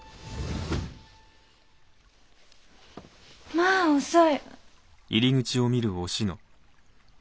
まあ遅い。